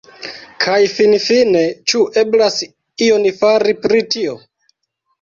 Kaj finfine, ĉu eblas ion fari pri tio?